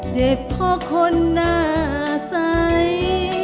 เจ็บเพราะคนหน้าใส